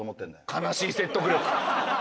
悲しい説得力。